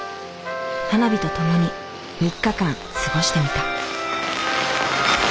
花火と共に３日間過ごしてみた。